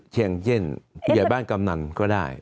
อย่างเช่นผู้ใหญ่บ้านกำนันก็ได้